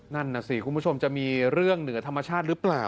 นั่นน่ะสิคุณผู้ชมจะมีเรื่องเหนือธรรมชาติหรือเปล่า